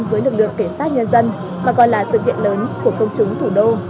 nhưng với lực lượng cảnh sát nhân dân mà gọi là sự kiện lớn của công chứng thủ đô